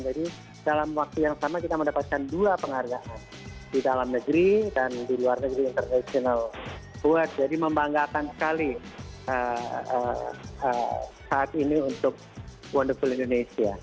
jadi dalam waktu yang sama kita mendapatkan dua penghargaan di dalam negeri dan di luar negeri jadi membanggakan sekali saat ini untuk wonderful indonesia